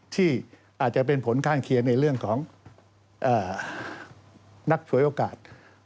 ที่อาจจะเป็นผลข้างเคียงในเรื่องของนักฉวยโอกาส